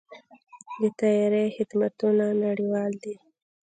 د طیارې خدمتونه نړیوال دي.